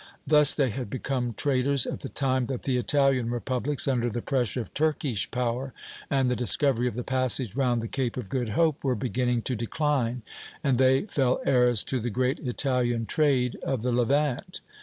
Thus they had become traders at the time that the Italian republics, under the pressure of Turkish power and the discovery of the passage round the Cape of Good Hope, were beginning to decline, and they fell heirs to the great Italian trade of the Levant.